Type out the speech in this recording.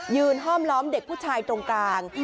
ห้อมล้อมเด็กผู้ชายตรงกลาง